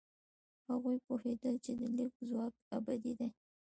هغوی پوهېدل چې د لیک ځواک ابدي دی.